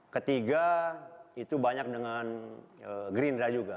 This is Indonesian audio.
ketiga itu banyak dengan gerindra juga